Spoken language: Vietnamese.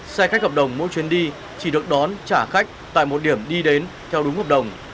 xe khách hợp đồng mỗi chuyến đi chỉ được đón trả khách tại một điểm đi đến theo đúng hợp đồng